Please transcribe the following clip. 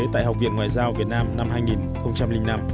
tại học viện ngoại giao việt nam năm hai nghìn năm